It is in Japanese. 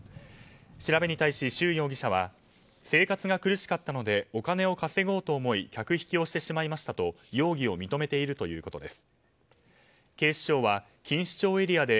調べに対しシュウ容疑者は生活が苦しかったのでお金を稼ごうと思い客引きをしてしまいましたと容疑を認めているということです。